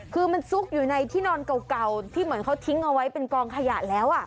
คือมันซุกอยู่ในที่นอนเก่าที่เหมือนเขาทิ้งเอาไว้เป็นกองขยะแล้ว